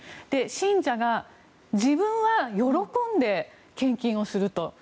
信者が自分は喜んで献金をすると。